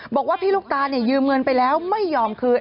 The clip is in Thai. บอกว่าพี่ลูกตายืมเงินไปแล้วไม่ยอมคืน